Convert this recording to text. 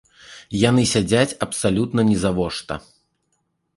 Яны сядзяць абсалютна нізавошта!